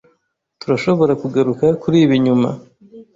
Turashobora kugaruka kuri ibi nyuma?